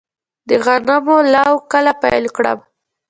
د غنمو لو کله پیل کړم؟